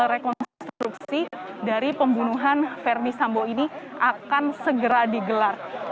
rekonstruksi dari pembunuhan verdi sambo ini akan segera digelar